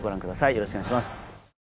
よろしくお願いします。